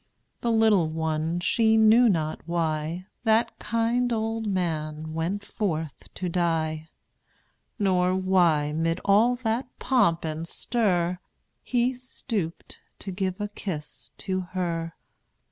The little one she knew not why That kind old man went forth to die; Nor why, 'mid all that pomp and stir, He stooped to give a kiss to her.